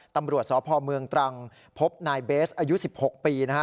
ตำรวจสพเมืองตรังพบนายเบสอายุ๑๖ปีนะฮะ